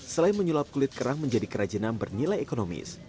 selain menyolap kulit kerang menjadi kerajana bernilai ekonomis